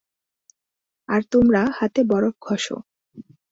আর, তোমরা, হাতে বরফ ঘষো।